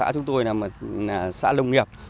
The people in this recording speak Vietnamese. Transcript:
chúng tôi là một xã nông nghiệp